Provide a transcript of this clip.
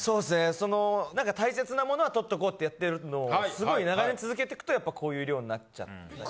そのなんか大切なものはとっとこうってやってるのをすごい長年続けてくとやっぱこういう量になっちゃったり。